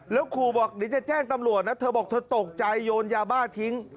แล้วขู่บอกเดี๋ยวจะแจ้งตำรวจนะเธอบอกเธอตกใจโยนยาบ้าทิ้ง